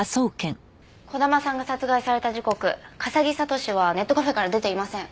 児玉さんが殺害された時刻笠城覚士はネットカフェから出ていません。